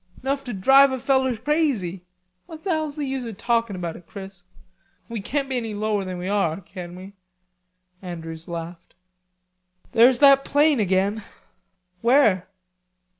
'Nough to drive a feller crazy." "What the hell's the use of talking about it, Chris? We can't be any lower than we are, can we?" Andrews laughed. "There's that plane again." "Where?"